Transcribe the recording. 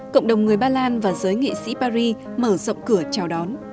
cộng đồng người ba lan và giới nghệ sĩ paris mở rộng cửa chào đón